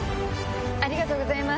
ありがとうございます。